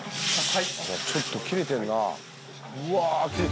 ちょっとキレてるな。